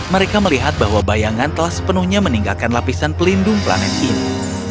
mereka melihat bahwa bayangan telah sepenuhnya meninggalkan lapisan pelindung planet ini